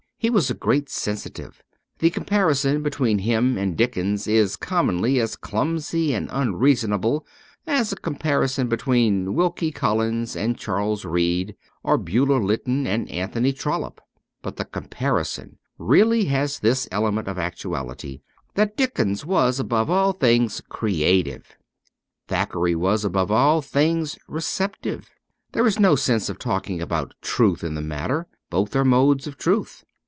He was a great sensitive. The comparison between him and Dickens is commonly as clumsy and unreason able as a comparison between Wilkie Collins and Charles Reade or Bulwer Lytton and Anthony Trollope. But the comparison really has this element of actuality : that Dickens was above all things creative ; Thackeray was above all things receptive. There is no sense in talking about truth in the matter : both are modes of truth.